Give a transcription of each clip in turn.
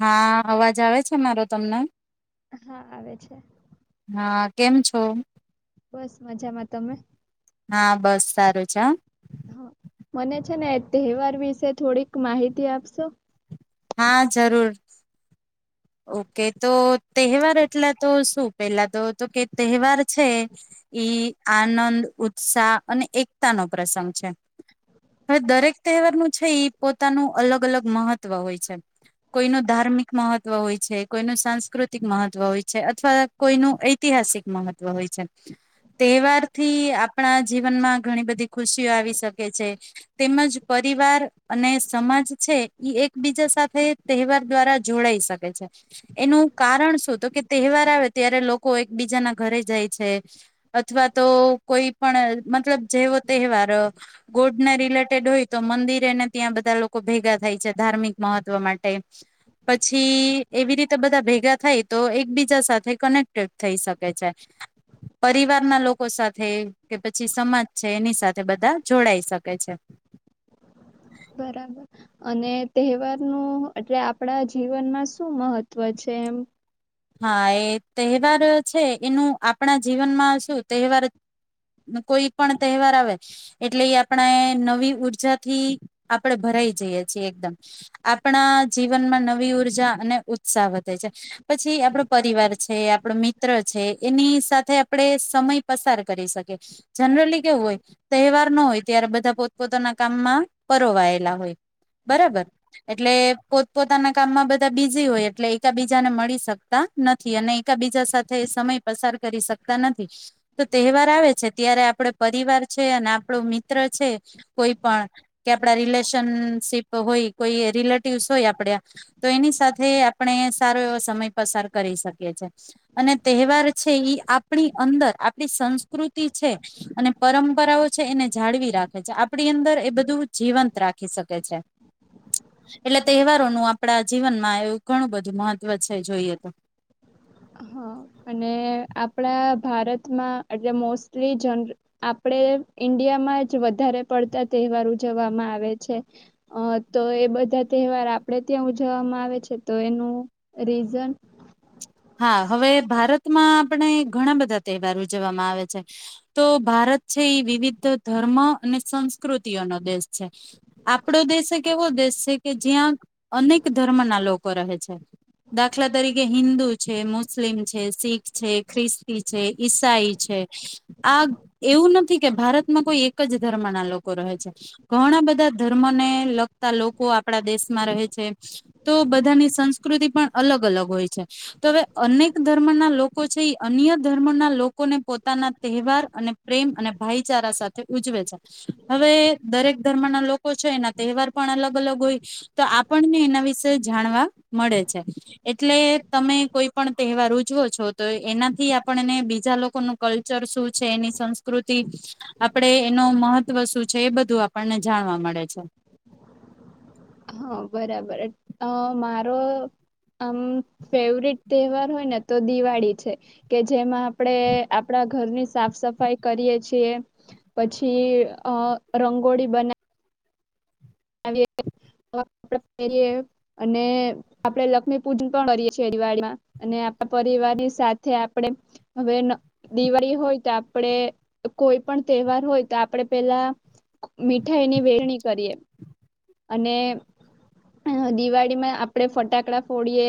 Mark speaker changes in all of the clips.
Speaker 1: હા, અવાજ આવે છે મારો તમને
Speaker 2: હા આવે છે.
Speaker 1: હા કેમ છો?
Speaker 2: બસ મજામાં તમે.
Speaker 1: હા બસ સારું છે હ.
Speaker 2: મને છે ને એ તહેવાર વિશે થોડીક માહિતી આપશો
Speaker 1: હા જરૂર. ઓકે તો તહેવાર એટલા તો શું પેલા તો તો કે તહેવાર છે ઈ આનંદ ઉત્સાહ અને એકતા નો પ્રસંગ છે હવે દરેક તહેવારનું છે પોતાનું અલગ અલગ મહત્વ હોય છે કોઈનું ધાર્મિક મહત્વ હોય છે કોઈનું સાંસ્કૃતિક મહત્વ હોય છે અથવા કોઈનું ઐતિહાસિક મહત્વ હોય છે તહેવાર થી આપણા જીવનમાં ઘણી બધી ખુશીઓ આવી શકે છે તેમજ પરિવાર અને સમાજ છે એકબીજા સાથે તહેવાર દ્વારા જોડાઈ શકે. એનું કાર શું કે તહેવાર આવે ત્યારે લોકો એકબીજા ના ઘરે જાય છે અથવા તો કોઈ પણ મતલબ જેવો તહેવાર ગોડને રિલેટેડ હોય તો મંદિરેને ત્યાં બધા લોકો ભેગા થાય છે ધાર્મિક મહત્વ માટે પછી એવી રીતે બધા ભેગા થાય તો એકબીજા સાથે કનેક્ટેડ થઈ શકે છે પરિવારના લોકો સાથે કે પછી સમાજ છે એની સાથે બધા જોડાઈ શકે છે.
Speaker 2: બરાબર અને તહેવારનું એટલે આપણા જીવનમાં શું મહત્વ છે એમ.
Speaker 1: હા એ તહેવાર છે એનું આપણા જીવનમાં શું તહેવાર કોઈ પણ તહેવાર આવે એટલે એ આપણા નવી ઉઊર્જાથી આપણે ભરાઈ જઈએ છીએ એકદમ આપણા જીવનમાં નવી ઉઊર્જા અને ઉત્સાહ વધે છે. પછી આપણો પરિવાર છે આપણો મિત્ર છે એની સાથે આપડ સમય પસાર કરી શકીએ જનરલી કેવું હોય તહેવાર ન હોય ત્યારે બધા પોતપોતાના કામમાં પરોવાયેલા હોય બરાબર એટલે પોતપોતાના કામમાં બધા બીજી હોય એટલે એકા બીજાને મળી શકતા નથી અને એકબીજા સાથે સમય પસાર કરી શકતા નથી તો તહેવાર આવે છે ત્યારે આપડ પરિવાર છે અને આપણો મિત્ર છે કોઈ પણ કે આપડા રિલેશનશીપ હોય કોઈ રિલેટિવસ હોય આપડ તો એની સાથે આપણે સારો એવો સમય પસાર કરી શકીએ છે અને તહેવાર છે એ આપણી અંદર આપણી સંસ્કૃતિ છે અને પરંપરાઓ છે એને જાળવી રાખે છે આપણી અંદર એ બધું જીવંત રાખી શકે છે એટલે તહેવારોનું આપણા જીવનમાં એવુ ઘણું બધું મહત્વ છે. જોઈએ તો
Speaker 2: હા અને આપણા ભારતમાં એટલે મોસ્ટલી જન આપણે ઈન્ડિયામાં જ વધારે પડતા તહેવાર ઉજવવામાં આવે છે તો એ બધા તહેવાર આપણેે ત્યાં ઉજવવામાં આવે છે તો એનું રીઝન
Speaker 1: હા હવે ભારતમાં આપણે ઘણા બધા તહેવાર ઉજવવામાં આવે છે તો ભારત છે એ વિવિધ ધર્મ અને સંસ્કૃતિઓનો દેશ છે આપણો દેશ એક એવો દેશ છે કે જ્યાં અનેક ધર્મના લોકો રહે છે દાખલા તરીકે હિન્દુ છે મુસ્લિમ છે શીખ છે ખ્રિસ્તી છે ઈસાઈ છે આ એવું નથી કે ભારતમાં કોઈ એક જ ધર્મ ના લોકો રહે છે ઘણા બધા ધર્મને લગતા લોકો આપડા દેશમાં રહે છે તો બધાની સંસ્કૃતિ પણ અલગ અલગ હોય છે. તો હવે અનેક ધર્મ ના લોકો છે એ અન્ય ધર્મના લોકોને પોતાના તહેવાર અને પ્રેમ અને ભાઈચારા સાથે ઉજવે છે હવે દરેક ધર્મના લોકો છે એના તહેવાર પણ અલગ અલગ હોય તો આપણને એના વિશે જાણવા મળે છે એટલે તમે કોઈ પણ તહેવાર ઉજવો છો તો એનાથી આપણને બીજા લોકોનું કલ્ચર શું છે એની સંસ્કૃતિ આપણે એનું મહત્વ શું છે એ બધું આપણને જાણવા મળે છે.
Speaker 2: હા, બરાબર. અ મારો આમ ફેવરિટ તહેવાર હોય ને, તો દિવાળી છે કે જેમાં આપણે આપણા ઘરની સાફ- સફાઈ કરીએ છીએ, પછી અ રંગોળી બનાવી. એ, અને આપણે લક્ષ્મી પૂજન પણ કરીએ, છેરવાડીમાં અને આપણા પરિવારની સાથે આપણે, હવે દિવાળી હોય તો આપણેે કોઈ પણ તહેવાર હોય, તો આપણેે પેલા મીઠાઈની વેરણી કરીએ. અને દિવાળીમાં આપડે ફટાકડા ફોડીએ,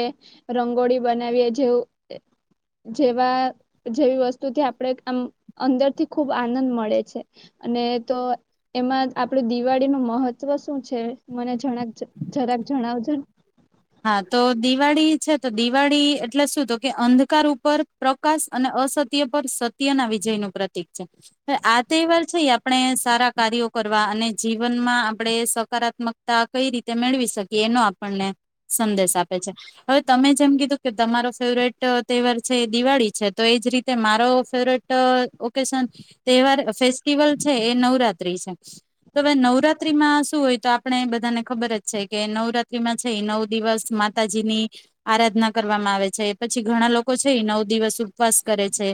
Speaker 2: રંગોળી બનાવીએ. જેવું જેવા જેવી વસ્તુથી આપણે આમ અંદરથી ખૂબ આનંદ મળે છે, અને તો એમાં આપડે દિવાળીનું મહત્વ મહત્વ શું છે? મને જરાક-જરાક જણાવજોન.
Speaker 1: હા, તો દિવાળી છે તો દિવાળી એટલે શું? તો કે અંધકાર ઉપર પ્રકાશ અને અસત્ય પર સત્ય ના વિજય નું પ્રતિક છે, ને આ તહેવાર છે, ઈ આપણે સારા કાર્યો કરવા અને જીવનમાં આપણે સકારાત્મકતા કઈ રીતે મેળવી શકીએ, એનો આપણને સંદેશ આપે છે. હવે તમે જેમ કીધું કે તમારો ફેવરેટ તહેવાર છે, એ દિવાળી છે, તો એ જ રીતે મારો ફેવરેટ ઓકેશન તહેવાર ફેસ્ટિવલ છે, એ નવરાત્રી છે. તો હવે નવરાત્રીમાં શું હોય? તો આપણે બધાને ખબર જ છે કે નવરાત્રીમાં છે એ નવ દિવસ માતાજી ની આરાધના કરવામાં આવે છે. પછી ઘણા લોકો છે એ ઈ નવ દિવસ ઉપવાસ કરે છે,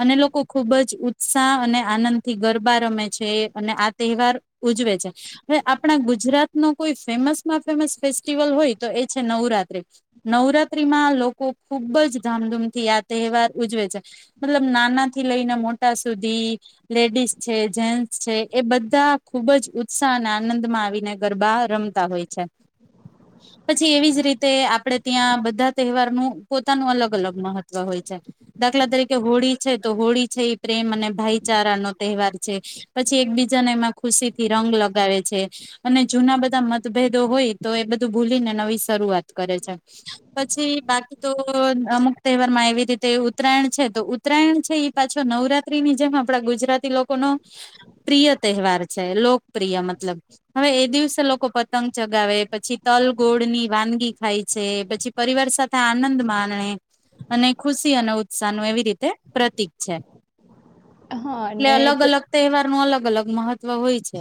Speaker 1: અને લોકો ખુબ જ ઉત્સાહ અને આનંદ થી ગરબા રમે છે, અને આ તહેવાર ઉજવે છે. હવે આપણા ગુજરાત નું કોઈ ફેમસમાં ફેમસ ફેસ ફેસ્ટિવલ હોય, તો એ છે નવરાત્રી. નવરાત્રીમાં લોકો ખૂબ જ ધામધૂમ થી આ તહેવાર ઉજવે છે. મતલબ, નાના થી લઈને મોટા સુધી, લેડીઝ છે, જેન્ટસ છે, એ બધા ખુબ જ ઉત્સાહ અને આનંદમાં આવીને ગરબા રમતા હોય છે. પછી એવી જ રીતે, આપડે ત્યાં બધા તહેવારનું પોતાનું અલગ- અલગ મહત્વ હોય છે. દાખલા તરીકે, હોળી છે, તો હોળી છે ઈ પ્રેમ અને ભાઈચારા નો તહેવાર છે, પછી એકબીજાને એમાં ખુશીથી રંગ લગાવે છે, અને જૂના બધા મતભેદો હોય તો એ બધું ભૂલીને નવી શરૂઆત કરે છે. પછી બાકી તો અમુક તહેવારમાં એવી રીતે ઉત્તરાયણ છે, તો ઉત્તરાયણ છે, ઈ પાછો નવરાત્રીની જેમ આપડા ગુજરાતી લોકોનો પ્રિય તહેવાર છે, લોકપ્રિય મતલબ. હવે એ દિવસે લોકો પતંગ ચગાવે પછી તલ ગોળની વાનગી ખાય છે, પછી પરિવાર સાથે આનંદ માણે અને ખુશી અને ઉત્સાહ નો એવી રીતે પ્રતીક છે.
Speaker 2: હા
Speaker 1: લે
Speaker 2: અને
Speaker 1: અલગ-અલગ તેહવારનું અલગ અલગ મહત્વ હોય છે.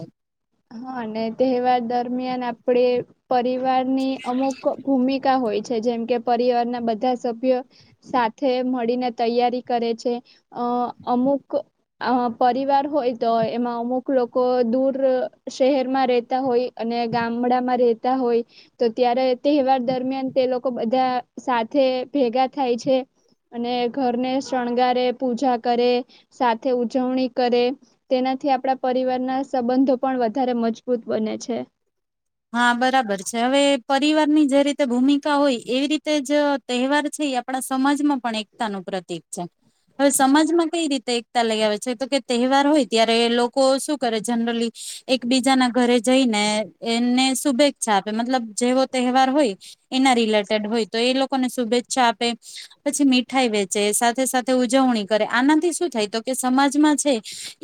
Speaker 2: હા, અને તહેવાર દરમિયાન આપડે પરિવ વારની અમુક ભૂમિ કા હોય છે, જેમ કે પરિવારના બધા સભ્યો સાથે મળીને તૈયારી કરે છે. અહ અમુક અહ પરિવાર હોય તો એમાં અમુક લોકો દૂર શહેરમાં રહેતા હોય અને ગામડામાં રહેતા હોય તો ત્યારે તહેવાર દરમિયાન તે લોકો બધા સાથે ભેગા થાય છે. અને ઘરને શણગારે, પૂજા કરે સાથે ઉજવણી કરે, તેનાથી આપણા પરિવારના સંબંધો પણ વધારે મજબૂત બને છે.
Speaker 1: હા, બરાબર છે. હવે પરિવારની જે રીતે ભૂમિકા હોય એવી રીતે જ તહેવાર છે, ઈ આપણા સમાજમાં પણ એકતાનું પ્રતિક છે. હવે સમાજમાં કઈ રીતે એકતા લઈ આવે છે? તો કે તહેવાર હોય ત્યારે એ લોકો શું કરે જનરલી એકબીજાના ઘરે જઈને એમને શુભેચ્છા આપે, મતલબ જેવો તહેવાર હોય એના રિલેટેડ હોય, તો એ લોકોને શુભેચ્છા આપે. પછી મીઠાઈ વેચે, સાથે-સાથે ઉજવણી કરે. આનાથી શું થાય? તો કે સમાજમાં છે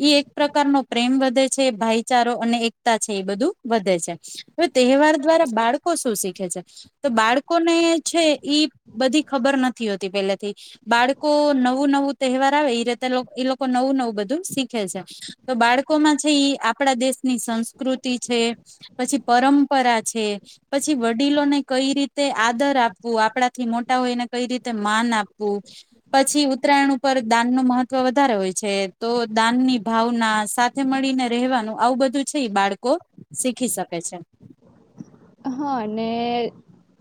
Speaker 1: ઈ એક પ્રકારનો પ્રેમ વધે છે, ભાઈચારો અને એકતા છે, ઈ બધું વધે છ છે. હવે તહેવાર દ્વારા બાળકો શું શીખે છે? તો બાળકોને છે ઈ બધી ખબર નથી હોતી પહેલેથી, બાળકો નવું-નવું તહેવાર આવે એ રીતે લોક ઈ લોકો નવું-નવું બધું શીખે છે. તો બાળકોમાં છે ઈ આપડા દેશની સંસ્કૃતિ છે પછી પરંપરા છે. પછી વડીલોને કઈ રીતે આદર આપવું. આપણાથી મોટા હોયને કઈ રીતે માન આપવું. પછી ઉત્તરાયણ ઉપર દાનનું મહત્વ વધારે હોય છે. તો દાનની ભાવના સાથે મળીને રહેવાનું આવું બધું છે ઈ બાળકો શીખી શક પે છે.
Speaker 2: હા, ને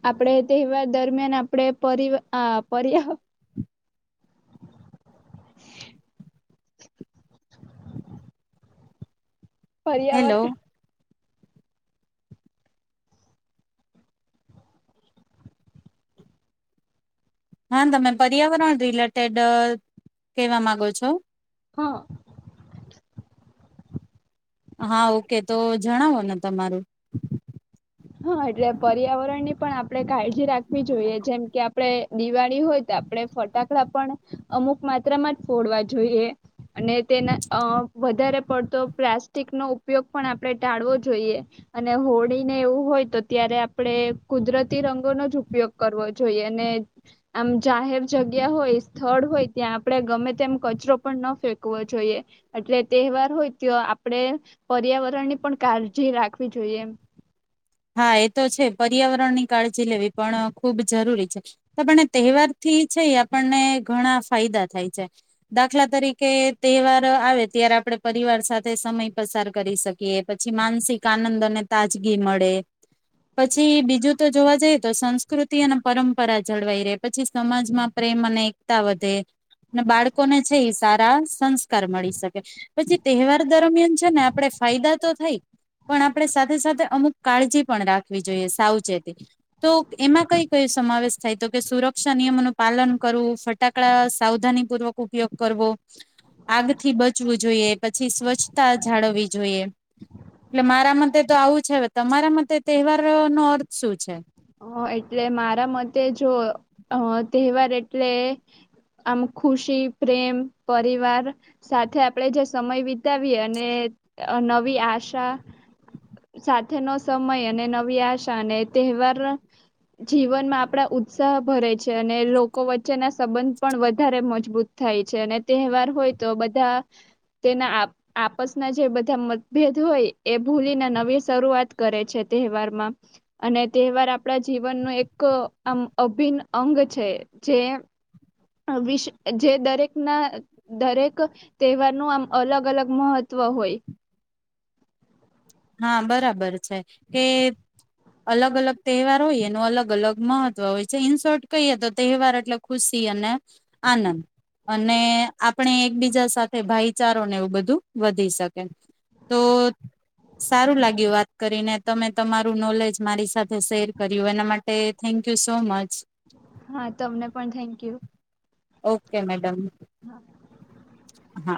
Speaker 2: આપડે તેહવાર દરમિયાન આપડે પરિવ આ પર્યાવ આહ [unintelligible]
Speaker 1: હેલો
Speaker 2: પર્યાવર એહ
Speaker 1: હા, તમે પર્યાવરણ રિલેટેડ કેવા માંગો છો?
Speaker 2: હા.
Speaker 1: હા, ઓકે તો જણાવો ને તમારું?
Speaker 2: હા એટલે પર્યાવરણની પણ આપણે કાળજી રાખવી જોઈએ. જેમ કે આપણે દિવાળી હોય તો આપડે ફટાકડા પણ અમુક માત્રામાં જ ફોડવા જોઈએ. અને તેના અ વધારે પડતો પ્લાસ્ટિકનો ઉપયોગ પણ આપણે ટાળવો જોઈએ. અને હોળીને એવું હોય તો ત્યારે આપણડે કુદરતી રંગોનો જ ઉપયોગ કરવો જોઈએ. અને આમ જાહેર જગ્યા હોય સ્થળ હોય ત્યાં આપડે ગમે તેમ કચરો પણ ન ફેંકવો જોઈએ. એટલે તહેવાર હોય ત્યો આપડે પર્યાવરણની પણ કાળજી રાખવી જોઈએ.
Speaker 1: હા, એ તો છે પર્યાવરણની કાળજી લેવી પણ ખૂબ જરૂરી છે. તો આપનને તહેવારથી છે ઈ આપણને ઘણા ફાયદા થાય છે. દાખલા તરીકે તહેવાર આવે ત્યારે આપડે પરિવાર સાથે સમય પસાર કરી શકીએ. પછી માનસિક આનંદ અને તાજગી મળે. પછી બીજું તો જોવા જઈએ તો સંસ્કૃતિ અને પરંપરા જળવાઈ રહેે. પછી સમાજમાં પ્રેમ અને એકતા વધે. ને બાળકોને છે ઈ એ સારા સંસ્કાર મળી શકે. પછી તહેવાર દરમિયાન છે ને આપડે ફાયદા તો થાય પણ આપડે સાથે સાથે અમુક કાળજી પણ રાખવી જોઈએ સાવચેતી, તો એમાં કઈ કઈ સમાવેશ થાય તો કે સુરક્ષા નિયમોનું પાલન કરવું, ફટાકડા સાવધાની પૂર્વક ઉપયોગ કરવો, આગથી બચવું જોઈએ. પછી સ્વચ્છતા જાળવવી જોઈએ. એટલે મારા મતે તો આવું છે બધ. તમારા મતે તહેવાર નો અર્થ શું છે?
Speaker 2: હ, એટલે મારા મતે જો અહ તહેવાર એટલે આમ ખુશી, પ્રેમ, પરિવાર સાથે આપણેે જે સમય વિતાવીએ અને અ નવી આશા સાથેનો સમય અને નવી આશા અને તહેવાર જીવનમાં આપણા ઉત્સાહ ભરે છે અને લોકો વચ્ચેના સંબંધ પણ વધારે મજબૂત થાય છે. અને તેહવાર હોય તો બધા તેના આપ આપસના જે બધા મતભેદ હોય એ ભૂલીને નવી શરૂઆત કરે છે. તેહવારમાં અને તેહવાર આપ પણ જીવનનો એક આમ અભિન્ન અંગ છે. જે અ વિસ અ જે દરેકના દરેક તેહવારનું આમ અલગ અલગ મહત્વ હોય.
Speaker 1: હા, બરાબર છે કે અલગ અલગ તેહવાર હોય એનું અલગ અલગ મહત્વ હોય છે. ઈન શોર્ટ કહીએ તો તેહવાર અટલે ખુશી અને આનંદ અને આપણે એકબીજા સાથે ભાઈચારો ને એવું બધું વધી શકે તો સારું લાગ્યું વાત કરીને તમે તમારું નોલેજ મારી સાથે શેર કર્યું એના માટે થેન્ક યુ સો મચ.
Speaker 2: હા તમને પણ થેન્ક યુ.
Speaker 1: Okay madam.
Speaker 2: હા.
Speaker 1: હા.